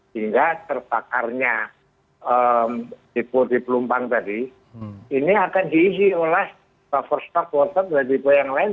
hingga terbakarnya depo di pelumpang tadi ini akan diisi oleh buffer stock workshop di depo yang lain